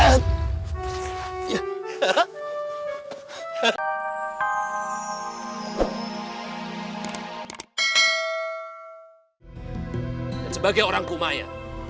dan sebagai orang kumaya